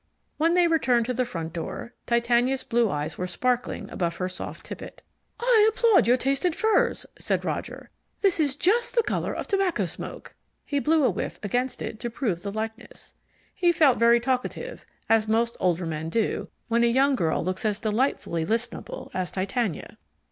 When they returned to the front door, Titania's blue eyes were sparkling above her soft tippet. "I applaud your taste in furs," said Roger. "That is just the colour of tobacco smoke." He blew a whiff against it to prove the likeness. He felt very talkative, as most older men do when a young girl looks as delightfully listenable as Titania.